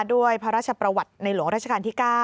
ด้วยพระราชประวัติในหลวงราชการที่๙